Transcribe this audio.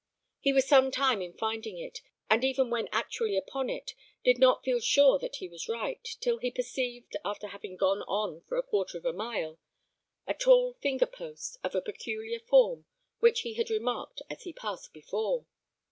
He was some time in finding it, and even when actually upon it, did not feel sure that he was right, till he perceived, after having gone on for a quarter of a mile, a tall finger post, of a peculiar form, which he had remarked as he passed before.